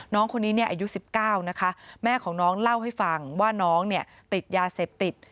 น้องคนนี้เนี่ยอายุ๑๙นะคะแม่ของน้องเล่าให้ฟังว่าน้องเนี่ยติดยาเสพติด